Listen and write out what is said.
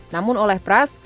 namun oleh pras